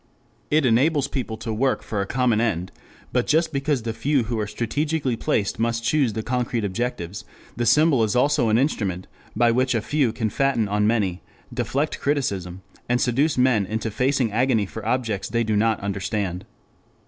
It enables people to work for a common end, but just because the few who are strategically placed must choose the concrete objectives, the symbol is also an instrument by which a few can fatten on many, deflect criticism, and seduce men into facing agony for objects they do not understand.